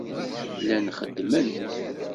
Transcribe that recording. Llan xeddmen.